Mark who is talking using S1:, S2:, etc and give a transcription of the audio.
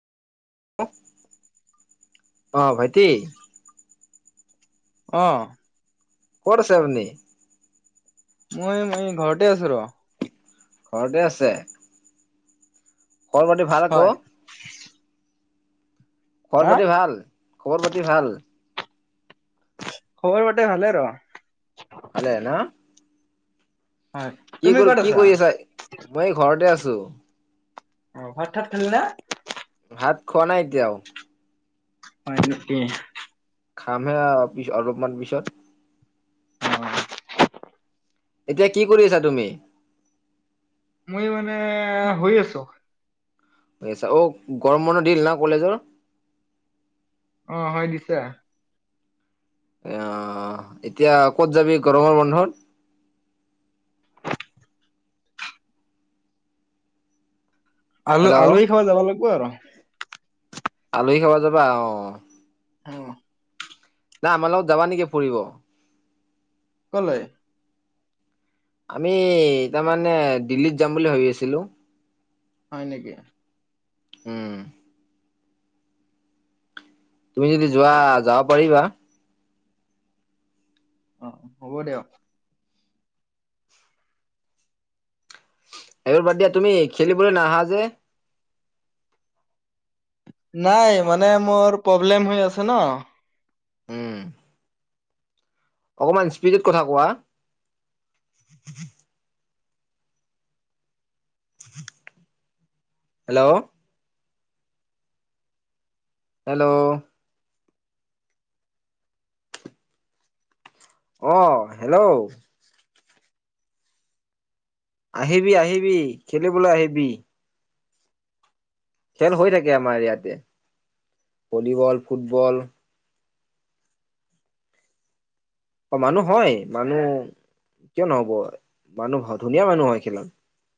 S1: উউ, অ ভাইটি।
S2: অঅ
S1: ক'ত আছে আপনি।
S2: মই-মই ঘৰতে আছোঁ ৰহ।
S1: ঘৰতে আছে। খবৰ পাতি ভাল আকৌ।
S2: হয়
S1: খবৰ
S2: হা
S1: পাতি ভাল-খবৰ পাতি ভাল।
S2: খবৰ পতি ভালে ৰহ।
S1: ভালে নঅ।
S2: হয় তুমি ক'ত
S1: কি-কৰ-কি-কৰি আছা, মই ঘৰতে আছোঁ।
S2: অঅ ভাত চাত খালি নে।
S1: ভাত খোৱা নাই এতিয়াও।
S2: হয় নকি।
S1: খামহে আৰু-পিছঅ-অলপমান পিছত।
S2: অ অ।
S1: এতিয়া কি কৰি আছাঁ তুমি।
S2: মই মানে হৈ আছোঁ।
S1: এই চা, অ, গৰম বন্ধ দিল না কলেজৰ।
S2: অ হয় দিছে
S1: এ আহ এতিয়া ক'ত যাবি গৰমৰ বন্ধত
S2: আলু
S1: হেল্ল'
S2: আলুি খাব যাব লাগিব আৰু
S1: আলহী খাব যাবা আহ
S2: অ
S1: নাই আমাৰ লগত যাবা নেকি পৰিুৰিব
S2: কলে
S1: আমি তাৰমানানে দিল্লীত যাম বুলি ভাবি আছিলো
S2: হয় নেকি
S1: উম তুমি যদি যোৱা যাব পাৰিবা
S2: অ হ'ব দিয়ক
S1: এইবোৰ বাদ দিয়া তুমি খেলিবলৈ নাহা যে
S2: নাই মানে মোৰ প্ৰব্লেম হৈ আছে ন
S1: উম অকমান স্পিডত কথা কোৱা হেল্ল' হেল্ল' আহ হেল্ল' আহিবি আহিবি খেলিবলৈ আহিবি খেল হৈ থাকে আমাৰ ইয়াতে ভলীবল ফুটবল অ মানুহ হয় মানুহ কিয় নহব মানুহ ধুনীয়া মানুহ হয় খিলান